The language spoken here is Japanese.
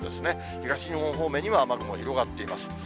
東日本方面にも雨雲広がっています。